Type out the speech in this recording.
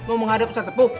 mau menghadap ustadz sepuh